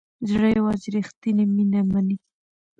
زړه یوازې ریښتیني مینه مني.